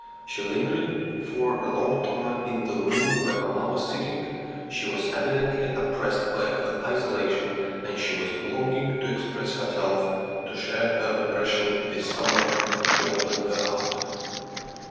She lingered for a long time in the room where mamma was sitting. She was evidently oppressed by her isolation, and she was longing to express herself, to share her impressions with some one, to open her heart.